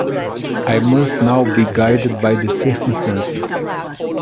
I must now be guided by circumstances.